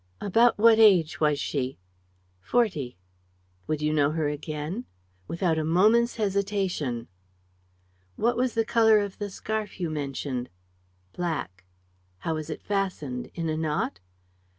"About what age was she?" "Forty." "Would you know her again?" "Without a moment's hesitation." "What was the color of the scarf you mentioned?" "Black." "How was it fastened? In a knot?"